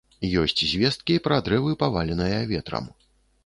Ёсць звесткі і пра дрэвы, паваленыя ветрам.